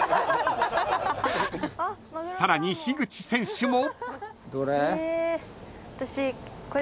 ［さらに樋口選手も］